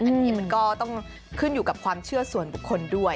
อันนี้มันก็ต้องขึ้นอยู่กับความเชื่อส่วนบุคคลด้วย